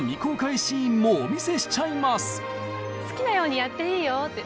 「好きなようにやっていいよ」って。